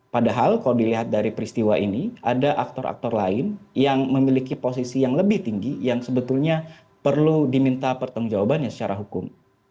padahal kalau dilihat dari peristiwa ini ada aktor aktor lain yang memiliki posisi yang lebih tinggi yang sebetulnya perlu diminta pertanggung jawabannya secara hukum